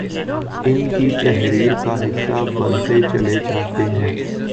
ان کی تحریر کا حصہ بنتے چلے جاتے ہیں